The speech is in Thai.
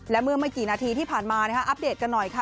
และเมื่อไม่กี่นาทีที่ผ่านมาอัปเดตกันหน่อยค่ะ